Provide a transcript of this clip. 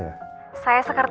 iya dapet dapet